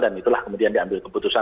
dan itulah kemudian diambil keputusan